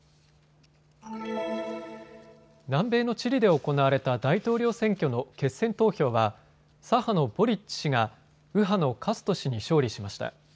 南米のチリで行われた大統領選挙の決選投票は左派のボリッチ氏が右派のカスト氏に勝利しました。